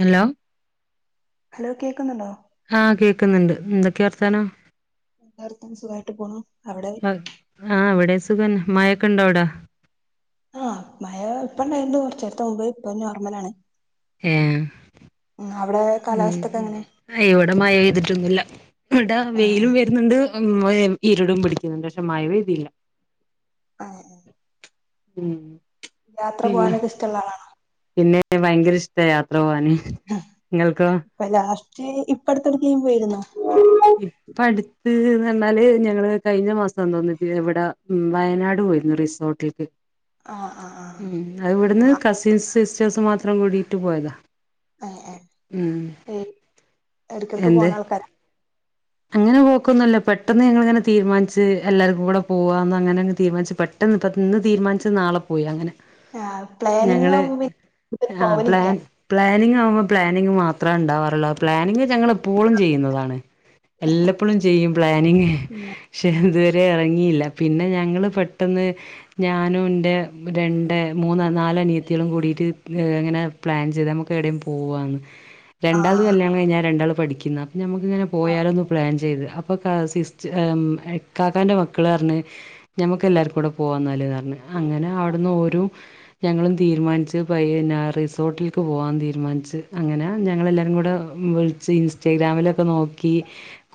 Hello hello കേൾക്കുന്നുണ്ടോ ആഹ് കേൾക്കുന്നുണ്ട് എന്തൊക്കെയ വർത്താനം വർത്താനം സുഖായിട്ട് പോണു അവിടെ ആഹ് ഇവിടേം സുഖന്നെ മയക്കൊണ്ടോ അവിടെ ആഹ് മയ ഇപ്പം ഉണ്ടായിരുന്നു കുറച്ച്‌ നേരത്ത മുമ്പ് ഇപ്പൊ നോർമലാണ് ഏഹ് ഉം അവിടെ കാലാവസ്ഥക്കെ ഉം എങ്ങനെ ഇവിടെ മഴ ചെയ്തിട്ടൊന്നുല്ല ഇവിടെ ആഹ് വെയിലും വരുന്നുണ്ട് ഇരുടും പിടിക്കുന്നുണ്ട് പക്ഷെ മഴ പെയ്തില്ല ആഹ ഉം യാത്ര പിന്നെ പോകാനൊക്കെ ഇഷ്ടള്ള ആളാണോ പിന്നെ ഭയങ്കര ഇഷ്ട യാത്ര പോവാന് ഇങ്ങൾക്കോ ഇപ്പം ലാസ്റ്റ് ഇപ്പടുത്തെട്ക്കേം പോയിരുന്നോ ഇപ്പൊ അടുത്ത് ന്ന് പറഞ്ഞാല് ഞങ്ങള് കഴിഞ്ഞ മാസാതോന്ന് ഇവിടെ ഉം വയനാട് പോയിരുന്നു റി റിസോട്ടില്ക്ക് ആഹ് ആഹ് ആഹ് ഉം അത് ഇവിടുന്ന് ആഹ് കസിൻസ് സിസ്റ്റേഴ്സ് മാത്രം കൂടിട്ട് പോയതാ ഏഹ് ഏഹ് ഉം ഏഹ് എടക്കിടക്ക് എന്തേ പോണ ആൾക്കാരാ അങ്ങനെ പോക്കൊന്നുംല്ല പെട്ടെന്ന് ഞങ്ങൾ ഇങ്ങനെ തീരുമാനിച്ച് എല്ലാർക്കും കൂടെ പോവാന്ന് അങ്ങനെ തീര്മാനിച്ച് പെട്ടന്ന് ഇപ്പോ ഇന്ന് തീരുമാനിച്ച് നാളെ പോയി അങ്ങനെ ആഹ് പ്ലാനിങ് ഞങ്ങള് ആവുമ്പോ പിന്നെ കൂടുതൽ ആഹ് പോവലില്ല പ്ലാൻ പ്ലാനിംഗ് ആവുമ്പോൾ പ്ലാനിങ് മാത്രേ ഉണ്ടാവാറുള്ളൂ പ്ലാനിങ് ഞങ്ങൾ എപ്പോഴും ചെയ്യുന്നതാണ് എല്ലപ്പോഴും ചെയ്യും പ്ലാനിങ് പക്ഷെ ഇതുവരെ ഇറങ്ങിയില്ല പിന്നെ ഞങ്ങള് പെട്ടെന്ന് ഞാനും ഇന്റെ രണ്ട് മൂന്ന് നാലാനിയത്തിയാളും കൂടിട്ട് ഇങ്ങനെ പ്ലാൻ ചെയ്ത് നമുക്ക് എവിടെം പോവാന്ന് [unintelligible] രണ്ടാൾത് കല്യാണം കഴിഞ്ഞാ രണ്ടാള് പഠിക്കുന്ന അപ്പൊ നമുക്ക്ങ്ങന പോ ആഹ് പ്ലാൻ ചെയ്ത് അപ്പൊ കാ സിസ്റ്റ് ഇക്കാക്കാന്റെ മക്കള് പറഞ്ഞ് ഞമ്മക്ക് എല്ലാർക്കും കൂടെ പോവാ ഇന്നല്ന്ന്റഞ്ഞ് അങ്ങനെ അവ്ട്ന്ന് ഓരും ഞങ്ങളും തീരുമാനിച്ച് പയെന്നെ റിസോർട്ടിലേക്ക് പോകാൻ തീരുമാനിച്ച് അങ്ങനെ ഞങ്ങളെല്ലാവരും കൂടെ വിളിച്ച് ഇൻസ്റ്റഗ്രാമിലൊക്കെ നോക്കി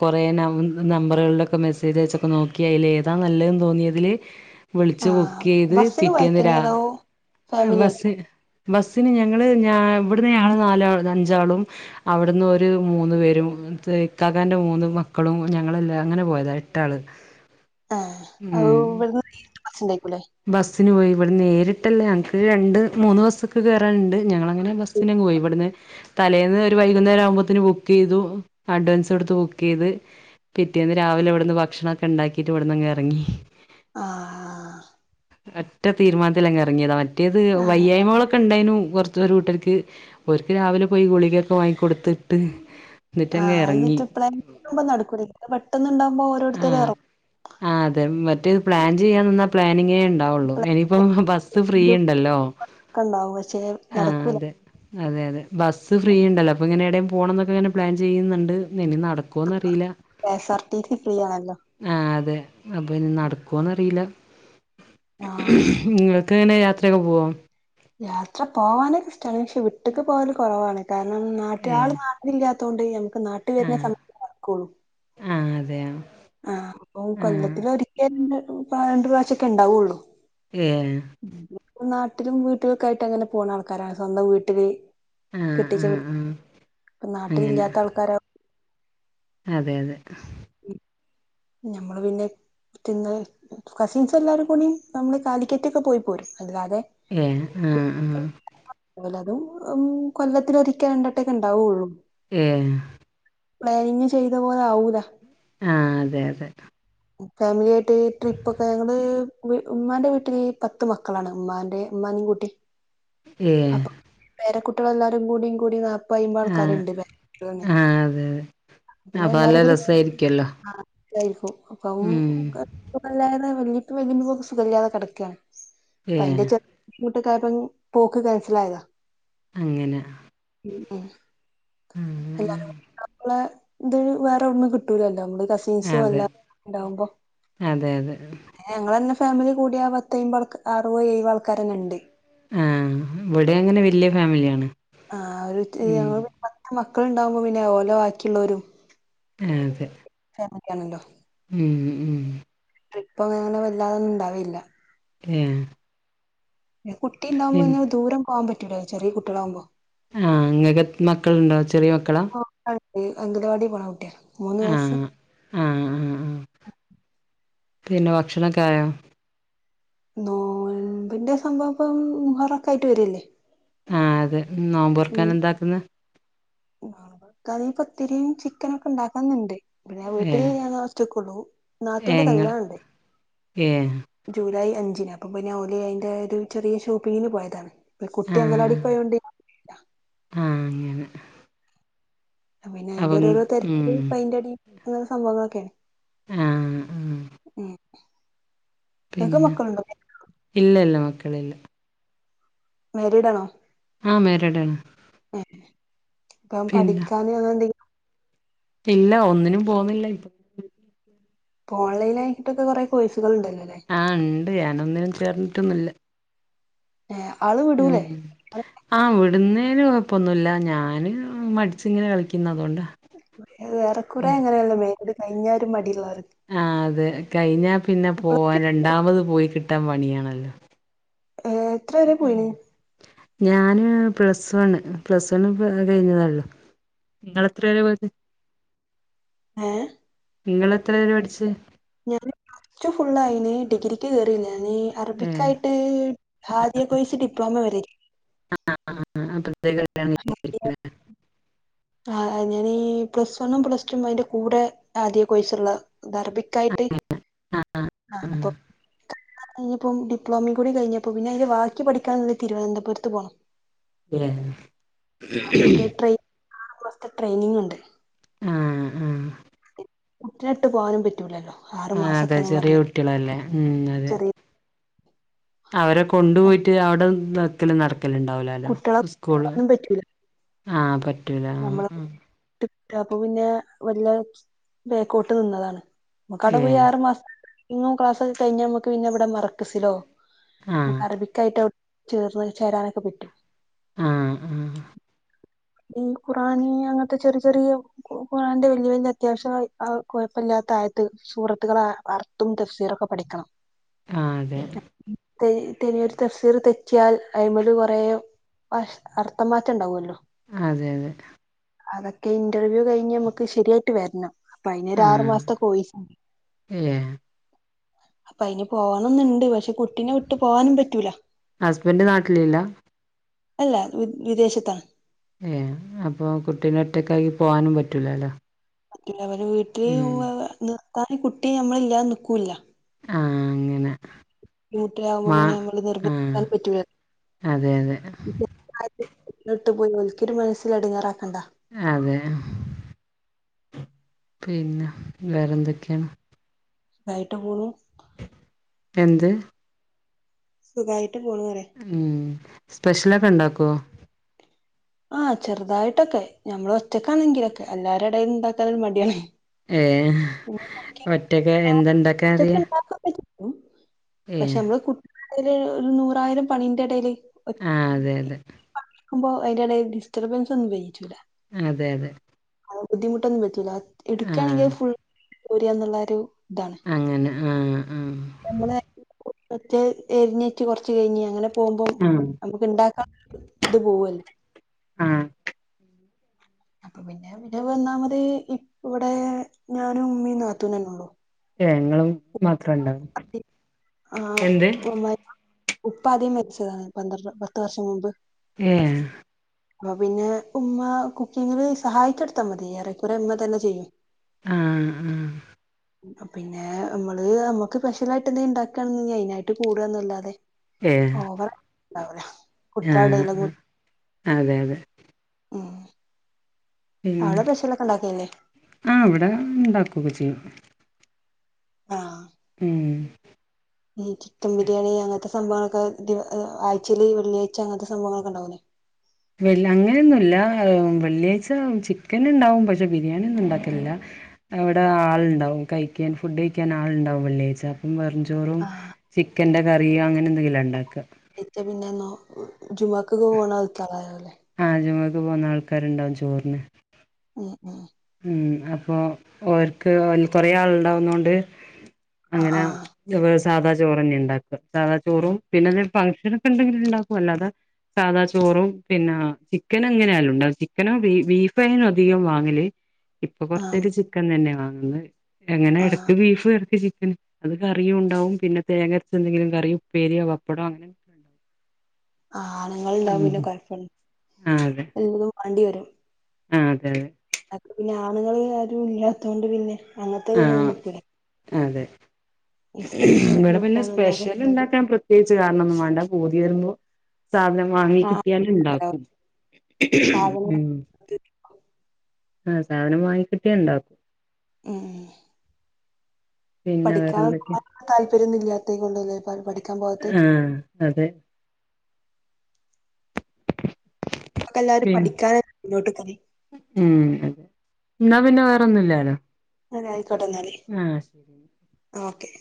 കൊറെ ന നമ്പറുകളിലൊക്കെ മെസ്സേജ് അയച്ചൊക്കെ നോക്കി അതില് ഏതാ നല്ലെന്ന് തോന്നിയതില് വിളിച്ച് ആഹ് ബുക്ക്‌ ചെയ്ത് ബസ്സിന് പിറ്റേന്ന് പോയക്കേനി രാ അതോ ഫാമിലി ആയിട്ടോ ബസ് ബസ്സിന് ഞങ്ങള് ഞ ഇവിടന്ന് ഞങ്ങള് നാല് ഞ്ചളും. അവിടുന്ന് ഓര് മൂന്ന് പേരും. ഇക്കാക്കാൻ്റെ മൂന്ന് മക്കളും ഞങ്ങളെല്ലാം അങ്ങനെ പോയതാ എട്ടാള് ആഹ് ഉം ഇവിടുന്ന് നേരിട്ട് ബസ്ണ്ടായിക്കുംല്ലേ? ബസ്സിന് പോയി ഇവിടെ നേരിട്ടല്ല ഞങ്ങൾക്ക് രണ്ട് മൂന്ന് ബാസൊക്കെ കേറാനുണ്ട് ഞങ്ങളങ്ങനെ ഞാൻ ബസിന് പോയി എവിടന്ന് തലേന്ന് വൈകുന്നേരം ആവുമ്പോത്തിനു ബുക്ക് ചെയ്തു അഡ്വാൻസ് കൊടുത്ത് ബുക്ക് ചെയ്ത് പിറ്റേന്ന് രാവിലെ ഇവിടുന്ന് ഭക്ഷണൊക്കെ ഉണ്ടാക്കിട്ട് ഇവിടന്നങ് എറങ്ങി. ആഹ് ആഹ്. ഒറ്റ തീരുമാനത്തില് അങ്ങേറങ്ങിയതാ മറ്റേത് ആഹ് വയ്യായ്മകളൊക്കെ ഉണ്ടായിനു കുറ ഒരു കൂട്ടർക്ക് ഓർക്ക് രാവിലെ പോയി ഗുളികൊക്കെ വാങ്ങികൊട്ത്ത്ട്ട് ആഹ് ന്നിട്ട് ഇപ്പളവുമ്പോ നടക്കൂ പെട്ടന്നുണ്ടാവുമ്പോ ഓരോരുത്തരും ആഹ് എറ ആഹ് അതെ മറ്റേത് പ്ലാൻ ചെയ്യാൻന്നാ പ്ലാനിങ്ങേ ണ്ടാവൊള്ളൂ ഇനിയിപ്പ ബസ് ഫ്രീ ഗ്രൂപ്പൊക്കെ ഇണ്ടല്ലോ ഉണ്ടാവും പക്ഷെ ആഹ് നടക്കൂല അതെ. അതെ അതെ ബസ് ഫ്രീ ഉം ഇണ്ടല്ലോ അപ്പൊ ഇങ്ങനെ എടേം പോണം എന്നൊക്കെ ഇങ്ങെനെ പ്ലാൻ ചെയ്യ്ന്ന്ണ്ട് ഇനി നട നടക്കൊന്നറിയില്ല K S R T C free ആണല്ലോ ആഹ് അതെ അപ്പൊ ഇനി നടക്കൊന്നറിയില്ല. ആഹ് നിങ്ങൾക്ക്‌ങ്ങനെ യാത്രയൊക്കെ പോവോ യാത്ര പോകാനൊക്കെ ഇഷ്ടാണ് പക്ഷെ വിട്ടക്ക് പോവൽ കുറവാണ് കാരണം നാട്ടള് ഏഹ് മാറു ഇല്ലാത്തുകൊണ്ട് നമുക്ക് നാട്ട് വരുന്ന ആഹ് സമയത്തേ നടക്കൊള്ളു. ആഹ് അതെയെ. ആഹ് അപ്പം കൊല്ലത്തിൽ ഒരിക്കൽ രണ്ട് പ്രാവശ്യൊക്കെ ഇണ്ടാവുള്ളൂ. ഏ നാട്ടിലും വീട്ടിലുംക്കായിട്ട് അങ്ങനെ പോണ ആൾക്കാരാണ് സ്വന്തം വീട്ടില്. ആഹ് ആഹ് ദേഷ്യപിടി ആഹ് അങ്ങനെ നാട്ടിലില്ലാത്തൾക്കാരാ അതെ അതെ. ഞമ്മള് പിന്നെ. തിന്ന് കസിൻസ് എല്ലാരും കൂടി നമ്മള് കാലിക്കറ്റ്ക്കെ പോയി പോരും അല്ലാതെ ഏ ആഹ് ആഹ്. ഓലെത്തും കൊല്ലത്തിലൊരിക്കെ രണ്ട് വട്ടൊക്കെണ്ടാവൊള്ളും. ഏ. പ്ലാനിങ്ങ് ചെയ്ത പോലെ ആവൂല. ആഹ് അതെ അതെ. ഫാമിലി ആയിട്ട് ട്രിപ്പ്ക്കെ ഞങ്ങള് ഉമ്മാന്റെ വീട്ടിൽ പത്ത് മക്കളാണ് ഉമ്മാന്റെ ഇമ്മാനിം കൂട്ടി. ഏ. അപ്പൊ പേരക്കുട്ടികളെല്ലാരും കൂടി കൂടി നാ പ്പയ്പ്പള് ആഹ് ആൾക്കാര്ണ്ട് പേ ആഹ് അതെ അതെ പിന്നെ അപ്പൊ നല്ല എല്ലാരും കൂടി രസായിരിക്കുവല്ലോ ആഹ് ലൈഫും ഒക്കെവും ഉം ഒക്കെ. സുഖല്ലാതെ വല്ല്യപ്പാ വല്ല്യമ്മി ഇപ്പൊ സുഖല്ലാതെ കിടക്കാണ് അപ്പ അയിന്റെ ഏഹ് ചെറിയ ബുദ്ധിമുട്ട് കാർണം ഇനി പോക്ക് കൻസൽ ആയതാ. അങ്ങന [unintelligible] ഇത് ഉം വേറെ എവ്ടുന്നും കിട്ടൂലല്ലോ നമ്മള് കസിൻസും അതെ എല്ല ഉണ്ടാവുമ്പോ. അതെ അതെ ഞങ്ങളെന്നെ ഫാമിലി കൂടിയ പത്തയിമ്പ ആൾ അറ് വ എഴുവ ആൾക്കാര നെ ഇണ്ട്.. ഹാ ഇവിടെ അങ്ങനെ വലിയ ഫാമിലിണ്. ആഹ് ഒരു ഞങ്ങ ൾ പത്ത് മക്കള്ണ്ടാവുമ്പോ പിന്നെ ഓല ബാക്കിയുള്ളോരും. ഹെ തെ. [unintelligible] ഉം ഉം ഉം ട്രിപ്പന്നും ങ്ങനെ വല്ലാതൊന്നും ഉണ്ടാവേലില്ല. ഏഹ് കുട്ടിണ്ടാവുമ്പോ പിന്നെ ദൂരം പോവാൻ പറ്റൂല്ല ചെറിയ കുട്ടികളാവുമ്പോ? ആഹ് ങ്ങക്കത് മക്കളുണ്ടോ ചെറിയ മക്കളാ? അങ്കണവാടി പോണ കുട്ടിയ മൂന്ന് വയസ്സ്. ഉം ആഹ് ആഹ് പിന്നെ ഭക്ഷണക്കായോ? നോമ്പിന്റെ സംഭവം ഇപ്പം മുഹറൊക്കായിട്ട് വരല്ലേ? ആഹ് അതെ നോമ്പറക്കാന് എന്താക്കുന്നെ നോൽബർക്കാൻ പത്തിരിം ചിക്കനൊക്കെ ഉണ്ടാക്കണന്ന്ണ്ട്. പിന്നെ വീട്ടിൽ ഏഹ് ഞാനൊറ്റെക്കുള്ളൂ ഏഹ് നാത്തൂന്റെ ഇങ്ങള് കല്യാണണ്ട്. ഏഹ് ജൂലൈ അഞ്ചിന് അപ്പ പിന്നെ ഓല് അതിൻ്റെ ഒരു ചെറിയ ഷോപ്പിങ്ങിന് പോയതാണ്. കുട്ടി ആഹ് അങ്കലവാടിക്ക് പോയോണ്ട്. ആഹ് അങ്ങെനെ. പിന്നെ അയ്ന്റെരോ രോ ഉം തെരക്കില് പെയിന്റാടിം അയ്‌ന്റൊരോ സംഭവങ്ങളൊക്കെണ്. ആഹ് ആഹ് ഏഹ് പിന്നെ ഇല്ലല്ല മക്കളില്ല. മാരീഡ് ആണോ? ആഹ് മാരിടാണ്. ഏഹ് ഇപ്പം പഠിക്കാൻ ഏതാ ഡി ഇല്ല ഒന്നിനും പോവുന്നില്ല ഇപ്പൊ ഇപ്പ ഓലൈൻ ആയിട്ടൊക്കെ കുറെ കോഴ്സുകൾ ഉണ്ടല്ലോല്ലേ? ആഹ് ണ്ട് ഞാനൊന്നിനും ചേർന്നിട്ടൊന്നില്ല. ഏഹ് ആള് ഉം വിടൂലേ ആഹ് വിടുന്നേന് കൊഴപ്പൊന്നുല്ല ഞാൻ മടിച്ചി ഇങ്ങനെ കളിക്കുന്നതൊണ്ടാ. എറെക്കുറേ അങ്ങനെയാണലോ മാരീഡ് കഴിഞ്ഞ ഒരു മടിയുളോൽ. ആ അതെ കഴിഞ്ഞാ പിന്നെ പോവാൻ അപ്പളേക്ക് രണ്ടാമത് പോയി കിട്ടാൻ പണിയാണല്ലോ? ഏഹ് എത്ര വരെ ഉം പോയിണ്? ഞാന് പ്ലസ് വണ് പ്ലസ് വണ് കഴിഞ്ഞ തൊള്ളു. ഇങ്ങളെത്ര വരെ പോയത്? ഏഹ് ഇങ്ങൾ എത്ര വരെ പഠിച്ച്? ഞാന് പ്ലസ് ടു ഫുള്ളായിന് ഡിഗ്രിക്ക് കേറില ഞാന് ഏഹ് അറബിക്കായിട്ട്. ഹാതിയ കോഴ്സ് ഡിപ്ലോമ വരെ. [unintelligible] ആഹ് ഞാനീ പ്ലസ് വണ്ണും പ്ലസ് ടും അതിന്റെ കൂടെ ഹാദിയാ കോയിസുള്ള. അറബിക്കായിട്ട് ആഹ് കഴിഞ്ഞോ അപ്പൊ. ഇപ്പം ഡിപ്പോമ കൂടി കഴിഞ്ഞപ്പോൾ പിന്നെ അതിന്റെ ബാക്കി പഠിക്കാന് തിരുവനന്തപുരത്ത് പോകണം. നമുക്ക് ഏഹ് ട്രെയിൻ ആറ് മാസത്തെ ട്രെയിനിങ് ണ്ട്.. ആഹ് ആഹ്. കുട്ടിനെട്ട് പോവാനും. പെറ്റൂലല്ലോ.. ആഹ് അതെ ചെറിയെ കുട്ടിളല്ലേ ഉം അതെ.. ചെറിയ അവരെ കൊണ്ടുപോയിട്ട് അവിടെ ന്താ ക്കല്. നടക്കല ഇണ്ടാവുലാലോ. കുട്ടികളെ സ്കൂള്.. നും പറ്റൂല ആഹ് പറ്റൂല ആഹ് ടിപ്പ്. അപ്പൊ പിന്നെ വല്ല വേക്കോട്ട് നിന്നതാണ്.. നമുക്ക് അവിടെ ആഹ് പോയി ഏഹ് ആറ് മാസ ക്ലാസ്സൊക്കെ കഴിഞ്ഞ നമ്മക്ക് പിന്നെ ഇവിടെ മർക്കസിലോ.. അആഹ് അറബിക്കായിറ്റഅ് ചേർന്ന് ചേരാനൊക്കെ പറ്റും ആഹ് ആഹ് ഈ ഖുറാനി അങ്ങൻത്തെ ചെറി ചെറിയോ കു കുറാന്റെ വല്യ വല്യ അത്യാവശ്യാഅ് അഅ് കൊഴപ്പല്ല്യാത്ത ആയത്ത് സൂറത്ത്കളെ അർത്തും ദഫ്സീറൊക്കെ പഠിക്കണം ആഹ് അതെ തൈ തെനിയൊരു തഫ്സീർ തെറ്റിയാൽ അയ്മന്ന് കൊറേ വഷ് അർത്ഥം മാറ്റംണ്ടാവൊല്ലോ അതെ അതെ അതൊക്കെ ഇന്റർവ്യൂ കയ്ഞ്ഞ് നമ്ക്ക് ശരിയായിട്ട് വര്നം അപ്പ അയ്നെര് ആറു ആഹ് മാസ്ത്തെ കോയിസാ ഏഹ് പ്പയ്ന് പോവണംന്ന്ണ്ട് പഷെ കുട്ടിനെ വിട്ട് പോവാനും പറ്റൂല ഹസ്ബൻ്റ് നാട്ടിലില്ല അല്ല വ് വിദേശത്താണ് ഏ അപ്പൊ കുട്ടീനെ ഒറ്റകാകി പോവാനും പറ്റൂലല്ലോ ഇല്ല അവര് വീട്ടില് ഉം ഉമ്മ നിർത്താന് കുട്ടി അമ്മളില്ലാതെ നിക്കൂല്യ ആഹ് അങ്ങനെ ബുദ്ധിമുട്ടിലാകുമ്പോ മ പിന്നെ നമ്മള് ആഹ് നിർബന്ധിക്കാൻ അതെ യതെ അത് ന്നിട്ട് പോയി ഒൽക്കരു മനസ്സ് എടങ്ങെറാക്കണ്ട അതെ പിന്നെ വേറെന്തൊക്കെണ് വായിട്ടു പോണു എന്ത് സുഖായിട്ട് പോണുഅറ്യാ ഉം സ്പെഷ്യലൊക്കെണ്ടാക്കോ ആഹ് ചെറുതായിട്ടൊക്കെ ഞമ്മൾ ഒറ്റ ക്കാണെങ്കിലൊക്കെ എല്ലാരെടേലും ണ്ടാക്കനൊരു മടിയാണെ ഏഹ് ഒറ്റക്കാ എന്തണ്ടാകറി പഷെമ്മള് കു ട്ടിടേൽ ഒര് നൂറായിരം പണിന്റെടേല് ആഹ് അതെ അതെ പയ്ന്റെടേല് ഡിസ്റ്റർബൻസൊന്നും വൈയ്യിചുല അതെ അതെ അവ് ബുദ്ധിമുട്ടൊന്നും പറ്റൂല ഇട്ക്കാണെങ്കി ആഹ് ഫുൾ ഓരിയന്നുള്ളരു താണ് അങ്ങനെ ആഹ് ആഹ് നമ്മളെ ഒ മറ്റേ എരിഞ്ഞേറ്റ് കൊറച്ച് കഴിഞ്ഞ് അങ്ങനെ പോവുമ്പം ആഹ് നമ് ഇണ്ടാക്കാ ഇത് പോവൊല്ലോ ആഹ് അപ്പൊ പിന്നെ പിന്നെവന്നാമത് ഇപ്പ്‌ വ്ടെ ഞാനും മ്മീന്നാത്തൂനന്നൊള്ളു ഏ ങ്ങളും മാത്രണ്ടാവല് എന്ത് ഉപ്പാദ്യം മര്ച്ചതാണ് പന്ത്രണ്ട് പത്ത് വർഷം മുമ്പ് ഏഹ് പ്പൊ പിന്നെ ഉമ്മ കുക്കിങ്ങില് സഹായിചൊട്ത്താ മതി ഏറെക്കുറെ മ്മതന്നെ ചെയ്യും ആഹ് ആഹ് പിന്നെ അമ്മള് അമ്ക്ക് സ്പെഷ്യലായിട്ട് എന്തേണ്ടാക്കാണഞ്ഞിഅയ്തിനായിട്ട് കൂടന്നല്ലാതെ ഏ ഓവർ ണ്ടാവൊല്ലേ കുട്യോളടേല് ആഹ് അതെ അതെ അവടെ പെഷ്ലക്കെണ്ടാക്കലില്ലേ ആഹ് ഇവടെ ഇണ്ടാകൊക്കെ ചെയ്യും ആഹ് ഉം ഈ ചിക്കൻ ബിരിയാണി അങ്ങൻ ത്തെ സംഭവളൊക്കെ ദി ആഴ്ചേല് ഒരു വെള്ളിയാഴ്ച അങ്ങൻത്തെ സംഭവങ്ങളൊക്കെ ണ്ടാവുലേ വെള്ളി അങ്ങനെന്നും ഇല്ലവെള്ളിയാഴ്ച ചിക്കൻ ഇണ്ടാവും പക്ഷെ ബിരിയാണി ഒന്നും ഉണ്ടാകൽല്ല അവിടെ ആളുണ്ടാവും കഴിക്കാൻ ഫുഡ് കഴിക്കാൻ ആളുണ്ടാവും വെള്ളിയാഴ്ച വെറഞ്ചോറും ആഹ് ചിക്കന്റെ കറിയും അങ്ങനെ എന്തെങ്കില ഇണ്ടാക്ക ത്തെ പിന്നെന്നോ ജുമാക്കൊക്കെ പോണ ആൾക്കാരാവു അല്ലേ ആഹ് ജുമക്ക് പോണ ആൾക്കാര് ഇണ്ടാവും ചോറിന് ഉം ഉം ഉം അപ്പൊ ഓര്ക്ക് കൊറേ ആൾ ഇണ്ടാവുന്നൊണ്ട് ആഹ് അങ്ങനെ ആഹ് സാധാ ചോറ്ന്നെ ഇണ്ടാക്കുക സാധാ ചോറും പിന്നെ ഫംഗ്ഷന ഒക്കെ ഇണ്ടെങ്കിൽ ഇണ്ടാക്കും അല്ലാതെ സാദാ ചോറും പിന്നെ ചിക്കനും ഇങ്ങനെയാലും ഇണ്ട ചിക്കനും ബീഫയും അധികം വാങ്ങല് ഇപ്പൊ ആഹ് കൊറച്ചായിട്ട് ചിക്കൻ തന്നെ വാങ്ങന്ന് എങ്ങനെ ആഹ് ഇടക്ക് ബീഫ് വരട്ടി ചിക്കന് അത് കറിയും ഉണ്ടാവും പിന്നെ തേങ്ങരച്ച എന്തെങ്കിലും കറിയും ഉപ്പേരിയോ പപ്പടോ അങ്ങനെ ആണ്ങ്ങൾ ഉണ്ടാകുബോ പിന്നെ കൊഴപ്പ ആഹ് എല്ലും വാണ്ടി വരും ആഹ് അതെ അതെ അനക്ക പിന്നെ ആണുങ്ങൾ ആരും ഇല്ലാത്തോണ്ട് പിന്നെ അങ്ങനത്തെ ഇതൊന്നും ആഹ് നിക്കൂല അതെ ഇഷ്ടത്തിന് ഇവിടെ പിന്നെ നോക്കാന്നല്ലാതെ സ്പെഷ്യൽ ഇണ്ടാക്കാൻ പ്രത്യേകിച്ച് കാരണം ഒന്നും വേണ്ട പൂതി വരുമ്പം സാധനം വാങ്ങിക്കിട്ടിയാല് ആഹ് ഇണ്ടാക്കും സാധനങ്ങൾ ഉം ആഹ് സാധനം വാങ്ങിക്കിട്ട്യാ ഇണ്ടാക്കും ഉം പിന്നെ പഠിക്കാൻ വേറെന്തൊക്കെയാ താല്പര്യോന്നു ഇില്ലാതൈയ് കൊണ്ടന്നെ പഠി ആഹ് അതെ നമക്കെല്ലാരും പിൻ പഠിക്കാന മുന്നോട്ട് കറി ഉം അതെ ഇന്നാ പിന്നെ വേറൊന്നും ഇല്ലാലോ അതെ ആയിക്കോട്ടെന്നാല് ആഹ് ശരി ഓക്കെ